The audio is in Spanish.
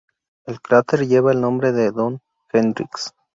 El cráter lleva el nombre de Don Hendrix.